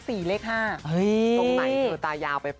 ตรงไหนตายาวไปปะน่ะ